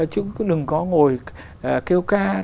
chúng đừng có ngồi kêu ca